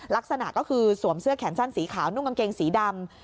ลักษณะก็คือสวมเสื้อแขนสั้นสีขาวนุ่งกางเกงสีดำ